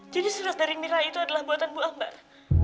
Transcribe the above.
jadi surat dari mira itu adalah buatan buah mbak